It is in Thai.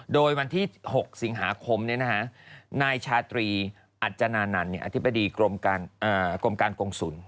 โดยวันที่๖สิงหาคมนายชาตรีอัจจนานันต์อธิบดีกรมการกงศูนย์